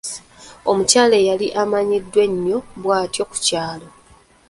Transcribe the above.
Omukyala eyali amanyiddwa ennyo bw'atyo ku kyalo.